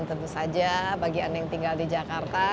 tentu saja bagian yang tinggal di jakarta